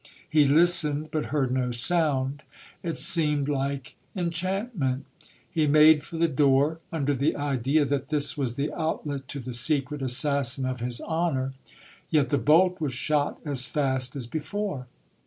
He listened, but heard no sound. It seemed like enchantment ! He made for the door, under the idea that this was the outlet to the secret assassin of his honour ; yet the bolt was shot as fast as before.